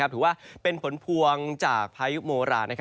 ถือว่าเป็นผลพวงจากพายุโมรา